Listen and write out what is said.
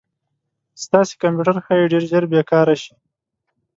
ستاسې کمپیوټر ښایي ډير ژر بې کاره شي